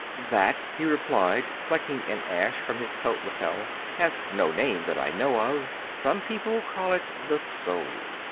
"That," he replied, flecking an ash from his coat lapel, "has no name that I know of; some people call it 'The Soul.